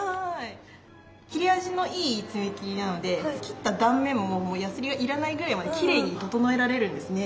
切れ味のいい爪切りなので切った断面もやすりがいらないぐらいまできれいに整えられるんですね。